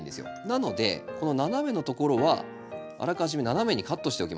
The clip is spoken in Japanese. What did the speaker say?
なのでこの斜めのところはあらかじめ斜めにカットしておきましょう。